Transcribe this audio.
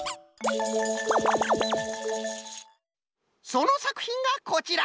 そのさくひんがこちら！